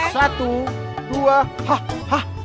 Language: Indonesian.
satu dua hah hah